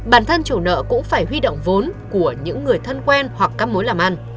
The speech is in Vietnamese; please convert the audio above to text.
bản thân chủ nợ cũng phải huy động vốn của những người thân quen hoặc các mối làm ăn